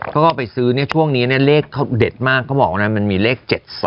เขาก็ไปซื้อเนี่ยช่วงนี้เลขเขาเด็ดมากเขาบอกนะมันมีเลข๗๒